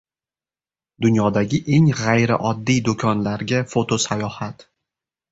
Dunyodagi eng g’ayrioddiy do‘konlarga fotosayohat